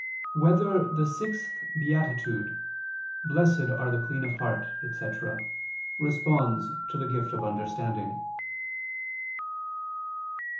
7] Whether the Sixth Beatitude, "Blessed Are the Clean of Heart," etc., Responds to the Gift of Understanding?